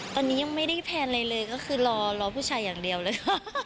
ตอนนี้ยังไม่ได้แพลนอะไรเลยก็คือรอผู้ชายอย่างเดียวเลยค่ะ